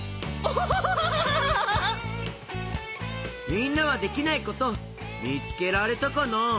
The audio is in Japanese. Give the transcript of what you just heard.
みんなはできないことみつけられたかな？